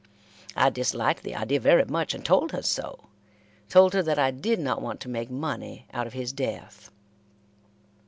I disliked the idea very much, and told her so told her that I did not want to make money out of his death.